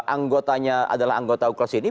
anggotanya adalah anggota ukurs ini